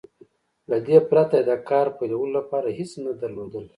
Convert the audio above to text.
له دې پرته يې د کار پيلولو لپاره هېڅ نه درلودل.